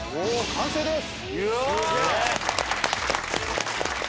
完成です。